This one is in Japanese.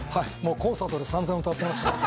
コンサートで散々歌ってますから。